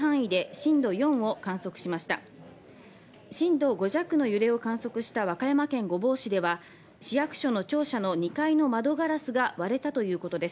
震度５弱の揺れを観測した和歌山県御坊市では市役所の庁舎２階の窓ガラスが割れたということです。